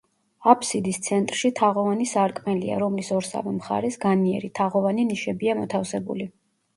აბსიდის ცენტრში თაღოვანი სარკმელია, რომლის ორსავე მხარეს განიერი, თაღოვანი ნიშებია მოთავსებული.